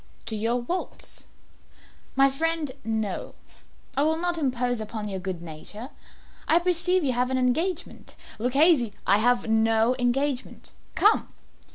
"To your vaults." "My friend, no; I will not impose upon your good nature. I perceive you have an engagement. Luchesi " "I have no engagement; come."